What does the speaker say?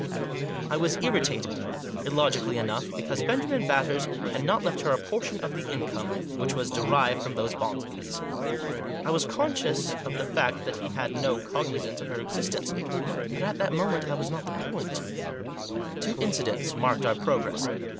I was irritated, illogically enough, because Benjamin Batters fcad not left her a portion of the income which was Digitized by 184 THE JOSS. derived from those bonds of his. I was conscious of the fact that he had had no cognisance of her existence. But, at the moment, that was not the point Two incidents marked our progress.